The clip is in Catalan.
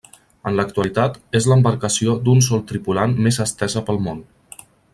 En l'actualitat, és l'embarcació d'un sol tripulant més estesa pel món.